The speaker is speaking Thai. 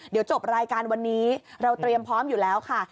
เดี๋ยวจบรายการวันนี้เราเตรียมพร้อมอยู่แล้วค่ะ